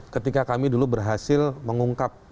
ketika kami dulu berhasil mengungkap